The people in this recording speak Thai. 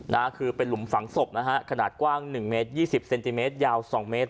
นะฮะคือเป็นหลุมฝังศพนะฮะขนาดกว้างหนึ่งเมตรยี่สิบเซนติเมตรยาวสองเมตร